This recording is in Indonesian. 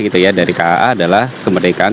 gitu ya dari kaa adalah kemerdekaan